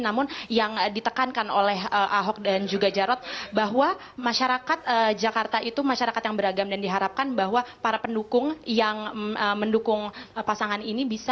namun yang ditekankan oleh ahok dan juga jarod bahwa masyarakat jakarta itu masyarakat yang beragam dan diharapkan bahwa para pendukung yang mendukung pasangan ini bisa